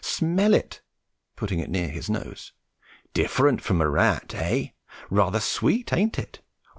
Smell it (putting it near his nose). Different from a rat, eh? Rather sweet, ain't it?